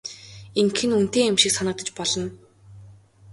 Ингэх нь үнэтэй юм шиг санагдаж болно.